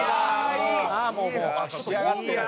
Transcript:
ああもう仕上がってる。